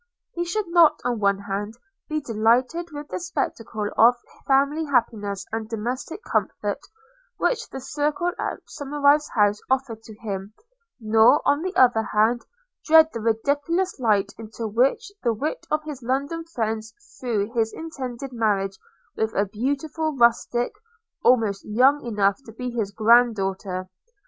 – He should not, on one hand, be delighted with the spectacle of family happiness and domestic comfort, which the circle at Somerive's house offered to him; nor, on the other hand, dread the ridiculous light into which the wit of his London friends threw his intended marriage with a beautiful rustic, almost young enough to be his grand daughter.